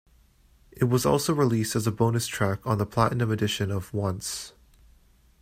It was also released as a bonus track on the platinum edition of "Once".